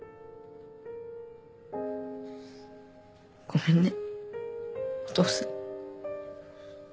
ごめんねお父さん。